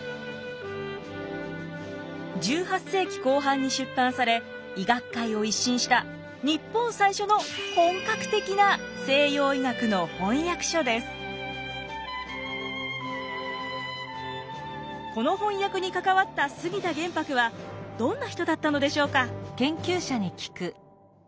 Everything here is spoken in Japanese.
１８世紀後半に出版され医学界を一新したこの翻訳に関わった杉田玄白はどんな人だったのでしょうか？